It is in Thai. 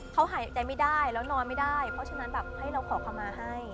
เขาหายใจไม่ได้แล้วนอนไม่ได้เพราะฉะนั้นแบบให้เราขอคำมาให้